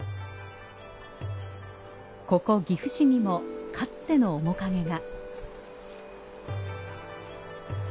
ここ岐阜市にもかつての面影が。